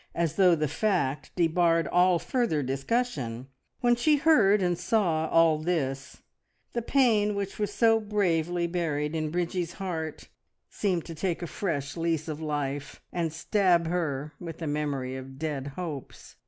as though the fact debarred all further discussion when she heard and saw all this, the pain which was so bravely buried in Bridgie's heart seemed to take a fresh lease of life, and stab her with the memory of dead hopes.